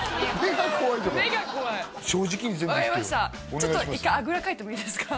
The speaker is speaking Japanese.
ちょっとあぐらかいてもいいですか？